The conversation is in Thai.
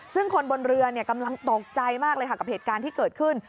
ซึ่งคนบนเรือกำลังตกใจมากเลยค่ะกับเหตุการณ์ที่เกิดขึ้น